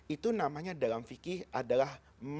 itu namanya dalam fikih adalah